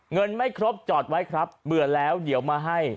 เงินไม่ครบจอดไว้ครับเบื่อแล้วเดี๋ยวมาให้